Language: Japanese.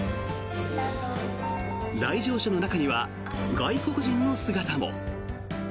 来場者の中には外国人の姿も。